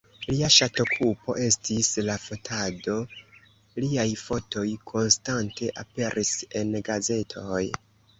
Lia ŝatokupo estis la fotado, liaj fotoj konstante aperis en gazetoj.